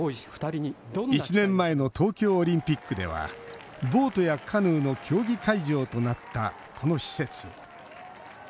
１年前の東京オリンピックではボートやカヌーの競技会場となった、この施設。